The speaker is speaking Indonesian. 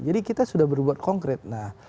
jadi kita sudah berbuat konkret